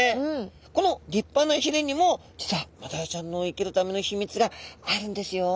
この立派なひれにも実はマダイちゃんの生きるための秘密があるんですよ。